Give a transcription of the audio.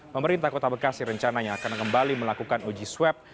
pemerintah kota bekasi rencananya akan kembali melakukan uji swab